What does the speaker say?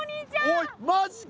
おいマジか！？